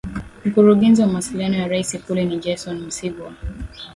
Mkurugenzi wa mawasiliano ya Rais Ikulu ni Gerson Msigwa